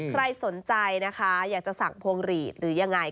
ใครสนใจอยากจะสั่งพงฤษหรือยังไง